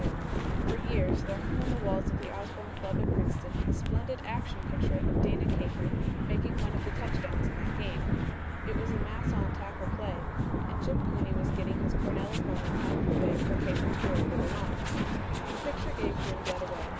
For years there hung on the walls of the Osborn Club at Princeton a splendid action picture of Dana Kafer making one of the touchdowns in that game. It was a mass on tackle play, and Jim Cooney was getting his Cornell opponent out of the way for Kafer to go over the line. The picture gave Jim dead away.